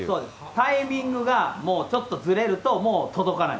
タイミングがもう、ちょっとずれるともう、届かない。